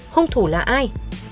hùng thủ là ai